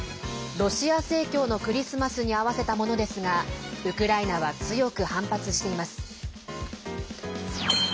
ロシア正教のクリスマスに合わせたものですがウクライナは強く反発しています。